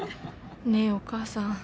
「ねえお母さん。